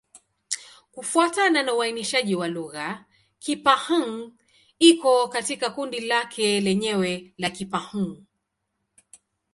Kufuatana na uainishaji wa lugha, Kipa-Hng iko katika kundi lake lenyewe la Kipa-Hng.